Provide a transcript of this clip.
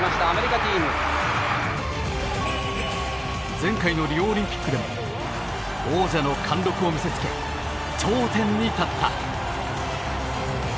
前回のリオオリンピックでも王者の貫禄を見せつけ頂点に立った。